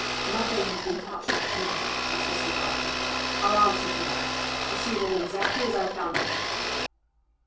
"Nothing has been touched up to now," said Cecil Barker. "I'll answer for that. You see it all exactly as I found it."